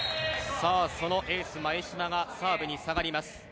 そのエース・前嶋がサーブに下がります。